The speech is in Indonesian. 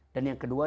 dan yang kedua